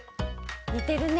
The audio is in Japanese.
にてるね。